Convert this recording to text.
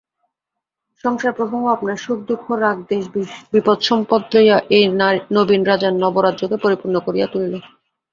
সংসারপ্রবাহ আপনার সুখদুঃখ রাগদ্বেষ বিপদসম্পদ লইয়া এই নবীন রাজার নবরাজ্যকে পরিপূর্ণ করিয়া তুলিল।